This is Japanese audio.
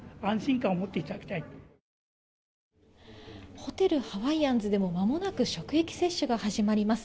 ホテルハワイアンズでもまもなく職域接種が始まります。